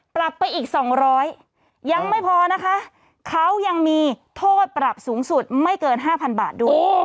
ปรับไปอีก๒๐๐ยังไม่พอนะคะเขายังมีโทษปรับสูงสุดไม่เกิน๕๐๐๐บาทด้วย